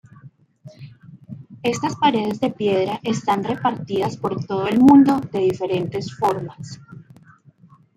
Estas paredes de piedra están repartidas por todo el mundo de diferentes formas.